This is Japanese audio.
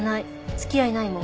付き合いないもん。